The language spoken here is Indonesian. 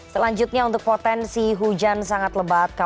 selanjutnya untuk potensi hujan sangat lebat